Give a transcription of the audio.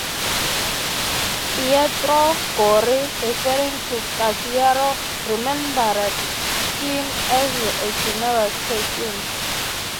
Pietro Gori, referring to Caserio, remembered him as a generous person.